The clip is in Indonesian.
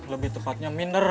lebih tepatnya minder